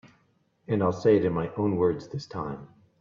And I'll say it in my own words this time.